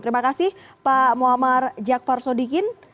terima kasih pak muammar jakfar sodikin